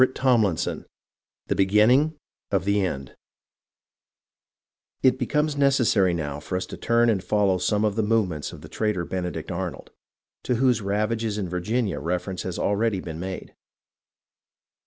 CHAPTER XXXIII THE BEGINNING OF THE END It becomes necessary now for us to turn and follow some of the movements of the traitor Benedict Arnold, to whose ravages in Virginia reference already has been made.